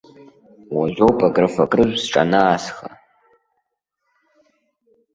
Уажәоуп акрыфа-акрыжә сҿанаасха.